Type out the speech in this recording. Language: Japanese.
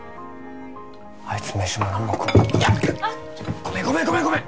ごめんごめんごめんごめん！